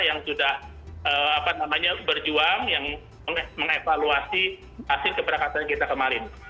yang sudah berjuang yang mengevaluasi hasil keberangkatan kita kemarin